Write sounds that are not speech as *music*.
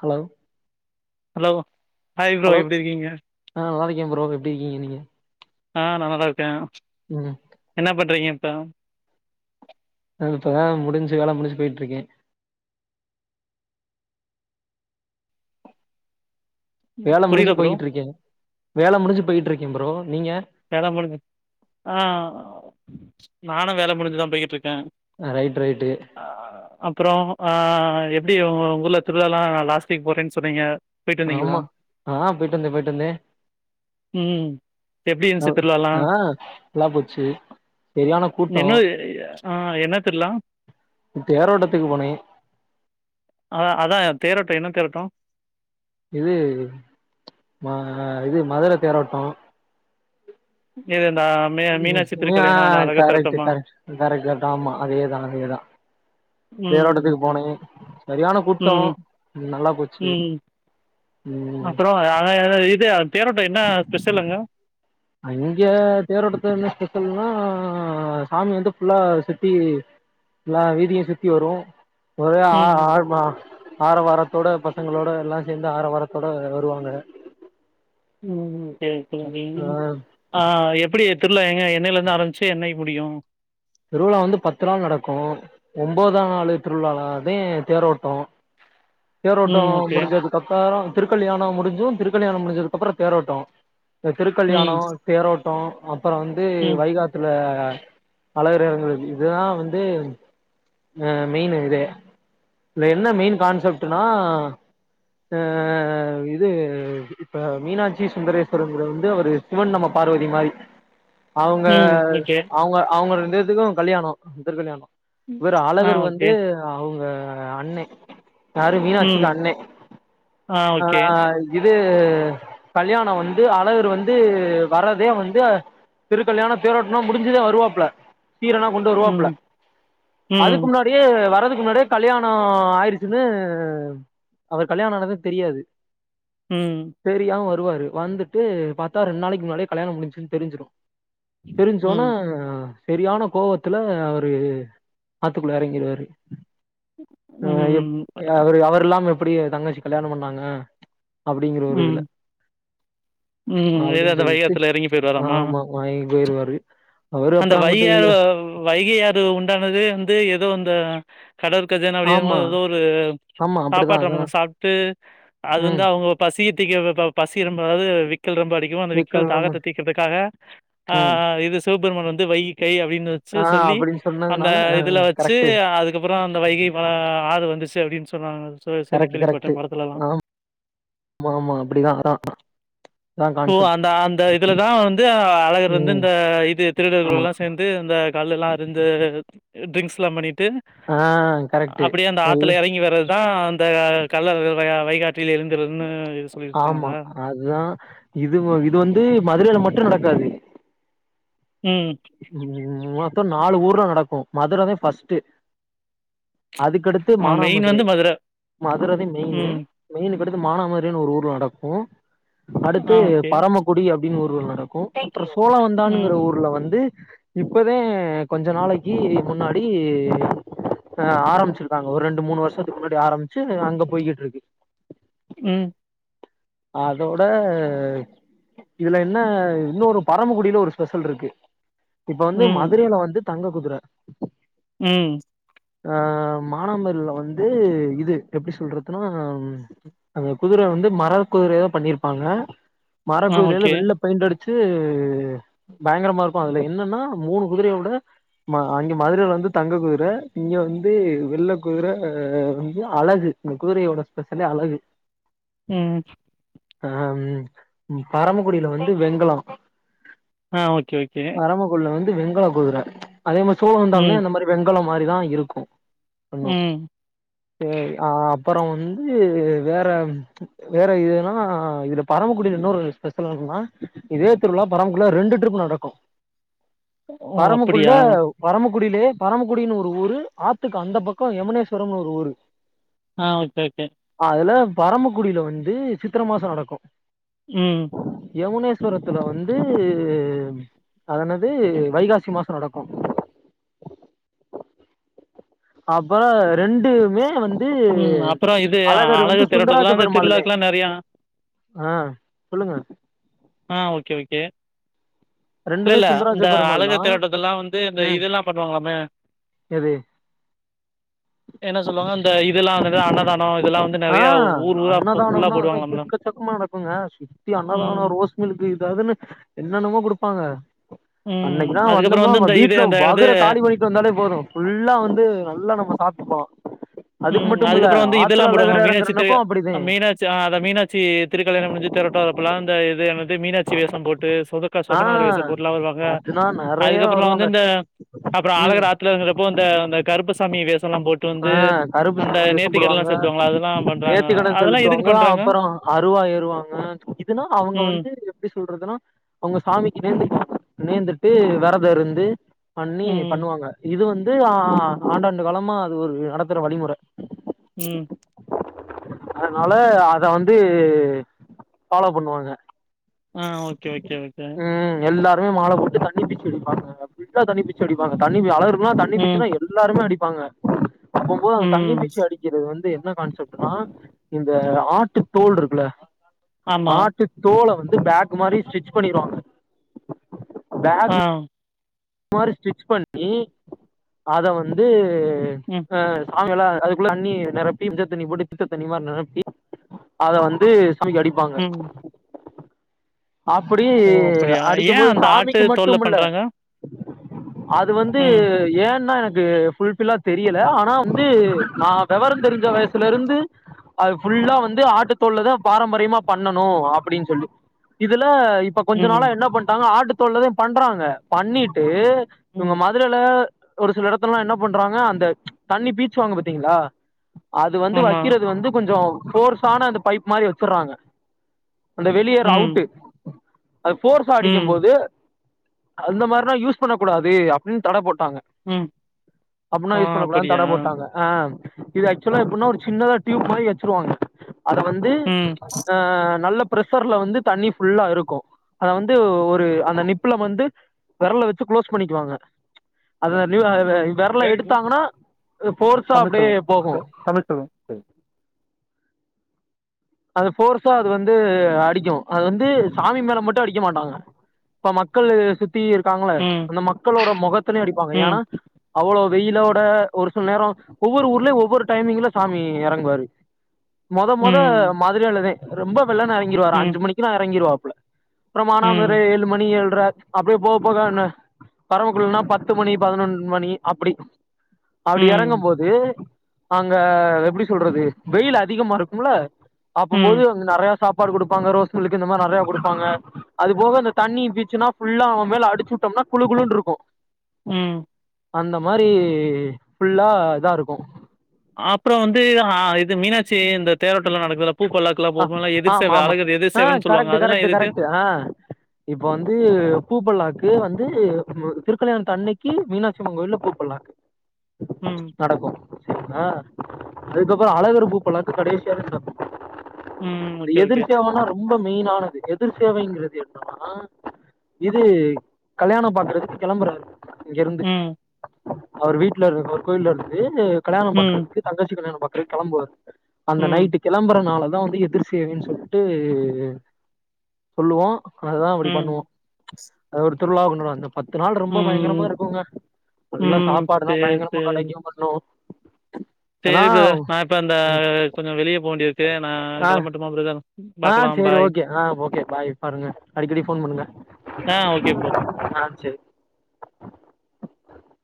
Hello hello hi bro hello எப்டி இருக்கீங்க ஆ நல்லாருக்கேன் ப்ரோ எப்டிருக்கீங்க நீங்க ஆ நல்லாதாருக்கேன் ம் என்ன பண்றீங்க இப்ப நான் இப்பதான் முடிஞ்சு வேல முடிஞ்சு போயிட்ருக்கேன் ம் வேல முடிஞ்சு புரியல ப்ரோ போயிக்கிட்ருக்கேன் வேல முடிஞ்சு போயிக்கிட்ருக்கேன் ப்ரோ நீங்க வேல முடிஞ்சு ஆஹ் நானும் வேல முடிஞ்சுதான் போயிக்கிட்ருக்கேன் ஆன் ரைட் ரைட்டு அப்புறம் எப்டி உ உங்கூர்ல திருவிழாலாம் லாஸ்ட் வீக் போறேனு சொன்னீங்க போயிட்டு வந்தீங்களா ஆம்மா ஆ போய்ட்டு வந்தேன் போய்ட்டு வந்தேன் ம் எப்டி இருந்துச்சு திருவிழாலா ஆன் நல்லா போச்சு செரியான கூட் என்னது ஆ ஆ *unintelligible* தேரோட்டத்துக்கு போனே அத அதான் தேரோட்டம் என்ன தேரோட்டம் இது ம இது மதுர தேரோட்டம் *unintelligible* *unintelligible* மீனாட்சி திருக்கல்யாணோ அந்த அழகர் கரெக்ட் தேரோட்டமா கரெக்ட் கரெக்ட் கரெக்ட் ஆம்மா அதேதான் அதேதான் ம் தேரோட்டத்துக்கு போனேன் சரியான கூட்டம் ம் நல்லா போச்சி அப்புறம் *unintelligible* இது தேரோட்டம் என்னா ஸ்பெஷல் அங்க அங்கெ தேரோட்டத்து என்ன ஸ்பெஷல்னா சாமி வந்து ஃபுல்லா சுத்தி எல்லா வீதியும் சுத்தி வரும் ஒரே ஆ ம் ஆழ்மா ஆர வாரத்தோட பசங்களோட எல்லா சேந்து ஆர வாரத்தோட வருவாங்க உம் *unintelligible* ஆ ஆ எப்படி திருவிழா எங்க என்னைலிருந்து ஆரம்பிச்சி என்னைக்கு முடியும் திருவிழா வந்து பத்து நாள் நடக்கும் ஒம்போதான் நாளு திருவிழாலதான் தேரோட்டம் *inaudible* தேரோட்டம் ஓகே முடிஞ்சதுக்கப்பறம் திருக்கல்யாணம் முடிஞ்சும் திருக்கல்யாணம் முடிஞ்சதுக்கப்பறம் தேரோட்டம் ம் திருக்கல்யாணம் தேரோட்டம் அப்புறம் வந்து ம் வைகாத்துல பல *unintelligible* இதுதான் வந்து ஆன் மெயின் இதே இதல என்ன மெயின் கான்செப்ட்டுனா ஆன் இது இப்ப மீனாட்சி சுந்தரேஸ்வரருங்கரவர் வந்து அவர் சிவன் நம்ம பார்வதி மாரி *inaudible* அவங்க ம் ஓகே அவங்க அவங்க ரெண்டுபேதுக்கோம் கல்யாணம் திரு கல்யாணம் ம். இவர் ஆ அழகர் வந்து ஓகே அவுங்க அண்ண யாரு மீனாட்சிக்கு ம் அண்ண ஆ அ ஓகே இது கல்யாண வந்து அழகர் வந்து வர்றதே வந்து திருக்கல்யாண தேரோட்ட முடிஞ்சுதா வருவாப்புல சீரெல்லா கொண்டு வருவாப்புல ம் ம் அதுக்கு முன்னாடி யே வர்றதுக்கு முன்னாடியே கல்யாண ஆயிருச்சுனு அவர் கல்யாண ஆனதே தெரியாது ம் தெரியாம வருவாரு வந்துட்டு பாத்தா ரெண்டு நாளைக்கு முன்னாடியே கல்யாணம் முடிச்சுனு தெரிஞ்சிரு தெரிஞ்சோன்ன ம் சரியான கோவத்துல அவரு ஆத்துக்குள்ள எறங்கிருவாரு ஆ எப் ம் அவரு அவர் இல்லாம எப்டி தங்கச்சிக்கு கல்யாணம் பண்ணாங்க அப்டிங்கற ஒரு ம் இதுல ம் ஏதோ அந்த அப்டின்சொல்ட்டு வைகாத்துல எறங்கி போயிருவாராமா ஆமா வாங்கி போயிருவாரு அவர் அந்த வை ஆறு வைகை ஆறு உண்டானது வந்து ஏதோ அந்த கடல் கஜானா ஒரியபோது ஆமா ஏதோ ஒரு ஆமா அப்டிதா சாப்பாடு அதா நம்மங்க சாப்ட்டு அது வந்து ம் அவங்க பசிய திக்கி பசி ரொம்ப அதாவது விக்கல் ரொம்ப அடிக் இவ அந்த விக்கல் தாகத்தை தீக்குறதுக்காக ஆ ம் இது சிவபெருமான் வந்து வை கை அப்டின்னு வச்சு ஆ சொல்லி அப்டின்னு அந்த சொன்னதுனால ஆ இதுல வச்சு கரெக்ட் அதுக் அதுக்கப்புறம் அந்த வைகை ஆ ஆறு வந்துச்சு அப்டின்னு சொன்னங்க சொ சொல்லி கரெக்ட் கரெக்ட் கேள்விப்பட்டே படத்துல எல்லா ஆமா அப்டிதா அதா ஓ கான்செப்ட் அந்த அந்த இதுலதா வந்து அழகர் வந்து ம் இந்த இது ஆமா திருடர்களெல்ல சேர்ந் அந்த கல்லெல்லா இருந்து டிரிங்க்ஸ்லாம் பண்ணிட்டு ஆ கரெக்ட் அப்டியே அந்த எல் ஆத்துல இறங்கி வரார் தான் அந்த கல்லர்கள் வைகாற்றில் எழுந்துறதுன்னு இது சொல்லிருக்காங்களா இதா இதுவந்து மதுரையில மட்டு நடக்காது ம் ம் மொத்த நாலு ஊர்ல நடக்கு மதுரதா ஃபர்ஸ்ட் அதுக்கடுத் து ஆ மெயின் மானாமதுரை வந்து மதுர மதுரதா மெயின் ம் மெயினு கடுத்து மானாமதுரைனு ஒரு ஊர்ல நடக்கு ஆ அடுத்து ஓகே பரமக்குடி அப்டின்னு ஒரு ஊர்ல நடக்கு அப்புற சோழ ம் வந்தானுங்கிற ஊர்ல வந்து இப்பதா கொஞ்ச நாளைக்கு முன்னாடி ஆ ஆரம்பிச்சிருக்காங்க ஒரு ரெண்டு மூணு வருஷத்துக்கு முன்னாடி ஆரம்பிச்சு அங்க போய்கிட்டு இருக்கு ம் அதோட இதுல என்ன இன்னோரு பரமக்குடியில ஒரு ஸ்பெஷல் இருக்கு இப்ப வந்து ம் மதுரையில வந்து தங்க குதிர ம் ஆ மானாமதுரைல வந்து இது எப்டி சொல்றதுன்னா அந்த குதிரை வந்து மர குதிரையா பண்ணிருப்பாங்க மர ஆ குதிரையில ஓகே வெள்ள பெயிண்ட் அடி ச்சு பயங்கரமா இருக்கு அதுல என்னன்னா மூணு குதிரையை விட மா அங்க மதுரைல வந்து தங்க குதிர இங்க வந்து வெள்ள குதிர வந்து அழகு இங்க குதிரையோட ஸ்பெஷலே அழகு ம் அதாவது பரமக்குடியில வந்து வெங்கல ஆ ஓகே ஓகே குள்ள வந்து வெங்கல குதுற அதே மாரி சோ வந்த ம் உடனே அந்த மாதிரி வெங்கலம் மாரிதா இருக்கு பண்னோ ம் சேரி அப்பரோ வந்து வேற ம் வேற இதென்னன்னா இதுல பரமக்குடியில இன்னொரு ஸ்பெஷலென்னன்னா இதே திருவிழா பரமகுடியில ரெண்டு ட்ரிப் நடக்கும் ஓ பரமக்குள்ள அப்படியா பரமக்குடியிலயே பரமக்குடினு ஒரு ஊரு ஆத்துக்கு அந்த பக்கம் யமுனேஸ்வரம்னு ஒரு ஊரு ஆ ஓகே ஓகே அதுல பரமக்குடியில வந்து சித்திர மாச நடக்கும் ம் யமுனேஸ்வரத்துல வந்து அது என்னது வைகாசி மாச நடக்கு அப்பற ரெண்டுமே வந் து ம் அப்புறோ இது அழகர் வந்து அழகு திரட்டத்துலா இந்த சுந்தராஜபெருமாள்தே திருவிழாக்குலா நெறையா ஆ சொல்லுங்க ஆ ஓகே ஓகே இல்ல ரெண்டுமே இல்ல சுந்தராஜ இந்த பெருமாள் அழகர் தான் தேரொட்தில்லா வந்து இந்த ம் இதெல்லா பண்ணுவாங்களாமே எது என்ன சொல்லுவாங்க இந்த இது ல்லா என்னது அன்னதான இதெல்லா வந்து ஆ நெறைய ஊர் ஊரா ஃபு ஃபுல்லா அன்னதானம்னா அத போடுவாங்களாம்ல எக்கச்சக்கமா நடக்குங்க சுத்தி ம் அன்னதான ரோஸ் உங்களுக்கு எதாதுனா என்னன்னமோ குடுப்பாங்க ம் அன்னைக்குனா அதுக்கப்புறோ வந்தோம்னமா வந்து நம்ம இந்த இது வீட்ல அந்த இது வகுற காளி பண்ணிட்டு வந்தாலே போது ஃபுல்லா வந்து நல்லா நம்ம சாப்டுப்பா அதுக்கு ம் மட்டும்ல்ல அதுக்கப்புறோ வந்து ஆத் துல அழுகரு எரங்கனக்கு அப்டிதே சு ஆ அத மீனாட்சி திருக்கல்யாண முடிஞ்சு தேரோட்ட அப்பில்ல அந்த இது வந்து மீனாட்சி வேஷ போட்டு சொத ஆ சொக்கநாதர் வேஷ போட்டுலா வருவாங்க அதுனா நெறைய அதுக்கப்பற வந்து வருவாங்க இந்த அப்பற ம் அழகுர ஆத்துல எருங்குறப்போ இந்த அ கருப்பு சாமி வேசல்லா போட்டு ஆ வந்து கருப்பு அந்த சாமி வேஷ நேர்த்திக்கடன்லா போடுவாங்க செலுத்துவாங்கல்ல அதெல்லா பண்றாங்க நேர்த்திக்கடன் அதெல்லா எதுக்கு செலுத்துவாங்க பண்றாங்க அப்பறோ அருவா ஏறுவாங்க இதுன்னா அவங்க ம் வந்து எப்டி சொல்றதுன்னா அவங்க சாமிக்கு நேந்துக்குவாங்க நேர்ந்துட்டு வெறத இருந்து பண்ணி ம் பண்ணுவாங்க இது வந்து ஆ ஆண்டாண்டு காலமா அது ஒரு நடத்துற வழிமொற ம் அதனால அத வந்து ஃபாலோ பண்ணுவாங்க ஆ ஓகே ஓகே ஓகே ம் எல்லாருமே மால போட்டு தண்ணி பீச் அடிப்பாங்கா புல்லா தண்ணிச் பீச் சி அடிப்பாங்க தண்ணி அழகருக்குல்லா தண்ணி ம் பீச்சுனா எல்லாருமே அடிப்பாங்க அப்பும்போது அந்த தண்ணி ம் பீச்சு அடி க்கிறது வந்து என்ன கான்செப்ட்னா இந்த ஆட்டு தோல் இருக்குல ஆமா ஆட்டு தோல வந்து பேக் மாரி ஸ்டிச் பண்ணிருவாங்க ஆ இந்த மாரி ஸ்டிச் பண்ணி அத வந்து ம் ஆ அவங்கல்லா அதுக்குள்ள தண்ணி நெரப்பி தண்ணி போட்டு திச்ச தண்ணி மாரி நெரப்பி அத வந்து சாமிக்கு அடிப்பாங்க ம் அப்டி ஓ அப்படியா ஏ அடிக்கும்போது அந்த ஆட்டு சாமிக்கு தோல்ல மட்டும் இல்ல பண்றாங்க அது வந்து ம் ஏன்னா எனக்கு புல்பில்லா தெரியல ஆனா வந்து நா வெவர தெரிஞ்ச வயசுல இருந்து அது ஃபுல்லா வந்து ஆட்டுத்தோள்லதா பாரம்பரியமா பண்ணணு அப்படின்னு சொல்லி இதுல இப் இப்ப கொஞ்ச ம் நாளா என்ன பண்டாங்க ஆட்டுத்தோல்லதா பண்றாங்க பண்ணிட்டு இவங்க ம் ம துரைல ஒரு சில எடத்துலல்லா என்னா பண்றாங்க அந்த தண்ணி பீச்சுவாங்க பாத்தீங்களா அது வந்து ஆமா வைக்கிறது வந்து கொஞ்ச போர்ஸான அந்த பைப் மாரி வச்சுறாங்க அந்த வெளியேர் ம் அவுட்டு அது போர்ஸ்ஸா அடிக்கும் ம் போது அந்த மாரிலா யூஸ் பண்ணக் கூடாது அப்டின்னு தட போட்டாங்க ம் அப்டியெல்லா ஆ யூஸ் பண்ண கூடாதுனு அப்படியா தட போட்டாங்க ஆ இது ஆக்சுவலா எப்டின்னா ஒரு சின்னதா டியூப் மாரி வச்சிருவாங்க அத வந்து ம் நல்ல பிர்ஷர்ல வந்து தண்ணி ஃபுல்லா இருக்கு அத வந்து ஒரு அந்த நிப்புல வந்து வெரல வெச்சு க்ளோஸ் பண்ணிக்குவாங்க அது வெ ம் வெரல எடுத்தாங்கனா போர்ஸா தமிழ் அப்டே செல்வோ போகு தமிழ் செல்வோ அது போர்ஸா அது வந்து அடிக்கு அது வந்து சாமி மேல மட்டு அடிக்க மாட்டாங்க ப்ப மக்கள்ளு சுத்தி இருக்காங்கள ம் அந்த மக்களோட மொகத்துலயு அடிப்பாங்க ம் ஏனா அவ்ளோ வெய்லோட ஒரு சில்நேரோ ஒவ்வொரு ஊர்லய ஒவ்வொரு டைமிங்ல சாமி எறங்குவாரு மொத மொத ம் மதுரையிலதா ரொம்ப வெள்ளைன்ன எறங்கிருவாரு ம், அஞ்சு மணிக்குலா எறங்கிருவாப்புல பிரமாணம் அந்திர ம், ஏழு மணி ஏழ்ர அப்டியே போக போக என்ன பரம்மக்குடிள்ன்னா பத்து மணி பதினொன்னு மணி அப்டி அப்டி ம், எறங்கும் போது அங்க எப்டி சொல்றது வெயில் அதிகமா இருக்கும்ல அப்பம் போது ம், அங்க நெறையா சாப்பாடு குடுப்பாங்க ரோஸ் மில்க்கு இந்த மார் நெறைய குடுப்பாங்க அது போக இந்த தண்ணி பீச்சுனா ஃபுல்லா அவன் மேல அடிச்சு விட்டோம்னா குளு குளுன்ருக்கு ம் அந்த மாரி ஃபுல்லா இதாருக்கு அப்றோ வந்து ஆ இது மீனாச்சி இந்த தேரோட்டலா நடக்குதுல பூ பல்லாக்குலா ஆ போகோலா ஆமா எதிர்சேவ ஆமா அழகர் ஆ எதிர்சேவன் சொல்வாங்க அதெல்லா எதுக்கு இப்போ வந்து பூப்பல்லாக்கு வந்து திருக்கல்யாணத்தன்னக்கி மீனாட்சியம்மன் கோயில்ல பூப்பல்லாக்கு ம், நடக்கோ செரிங்ளா அதுக்கப்றோ அழகர் பூப்பல்லா கடைசியா நடக்கு ம். ந்த ஓகே, ஓகே. எதுர் சேவனா ரொம் ப மெய்னானது எதுர் சேவைங்குறது என்னன்னா இது கல்யாணோ பாக்குறதுக்கு கெளம்புறாரு இங்கருந்து ம், அவுரு வீட்ல இரு அவர் கோய்லருந்து கல்யாணோ ம், பாக்றதுக்கு தங்கச்சி கல்யாணம் பாக்றதுக்கு கெளம்புவாரு அந்த ம், நைட்டு கிளம்பறனாலதா வந்து எதுர் சேவைன் சொல்ட்டு சொல்லுவோ அதுதா அப்டி பண்ணுவோ ம். அது ஒரு திர்வ்ழாவா கொண்டாடுவோ பத்து நாள் ரொம்ப பயங்கரமா ம், இருக்கோங்க நல்லா ம். சாப்பாடு தா சரி, பயங்கரமா கெடைக்குங்க னோ சேரி ப்ரதர் நா இப்ப அந்த கொஞ்ச வெளிய போவேண்டிருக்கு நா ஆ கெளம்பட்டுமா ப்ரதர் ஆ சேர் ஓக்கே ஆ ஓக்கே பாய் பாருங்க அடிக்கடி ஃபோன் பண்ணுங்க ஆ ஓகே ப்ரோ. ஆ செரி